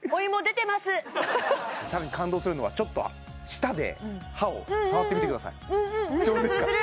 さらに感動するのはちょっと舌で歯を触ってみてくださいどうですか？